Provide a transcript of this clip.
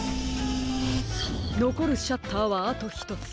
のこるシャッターはあとひとつ。